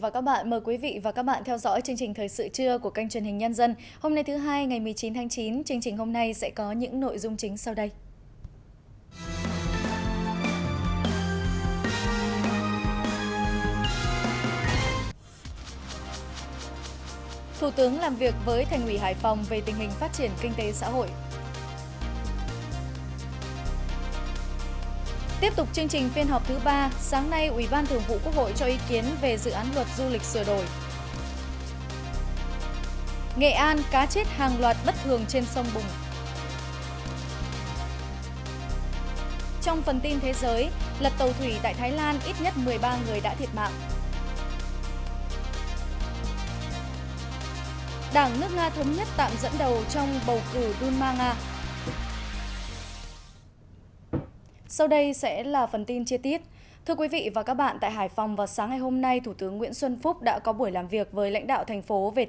các bạn hãy đăng ký kênh để ủng hộ kênh của chúng mình nhé